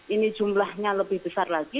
ini jumlahnya lebih besar lagi